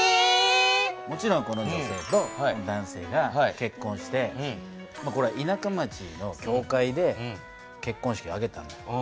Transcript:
もちろんこの女性と男性が結こんしてこれは田舎町の教会で結こん式を挙げたの。